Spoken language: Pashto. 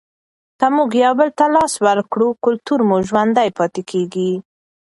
که موږ یو بل ته لاس ورکړو کلتور مو ژوندی پاتې کیږي.